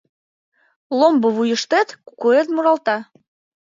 Ломбо вуйыштет кукуэт муралта